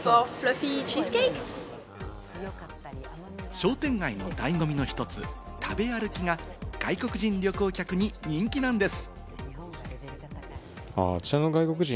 商店街の醍醐味の一つ、食べ歩きが外国人旅行客に人気なんです。